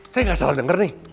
saya gak salah denger nih